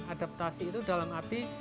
adaptasi itu dalam arti